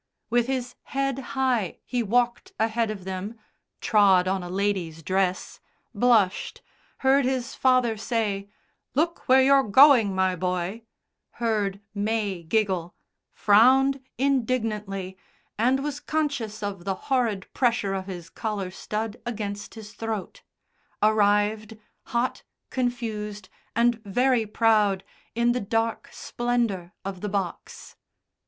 With his head high he walked ahead of them, trod on a lady's dress, blushed, heard his father say: "Look where you're going, my boy," heard May giggle, frowned indignantly, and was conscious of the horrid pressure of his collar stud against his throat; arrived, hot, confused, and very proud, in the dark splendour of the box.